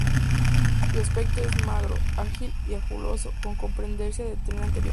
Su aspecto es magro, ágil y anguloso, con preponderancia del tren anterior.